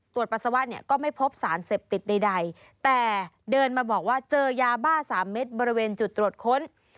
ปัสสาวะเนี่ยก็ไม่พบสารเสพติดใดแต่เดินมาบอกว่าเจอยาบ้า๓เม็ดบริเวณจุดตรวจค้น